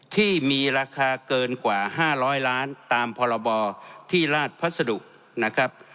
ที่มีราคาเกินกว่าห้าร้อยล้านตามพลที่ราชภาษฎุนะครับ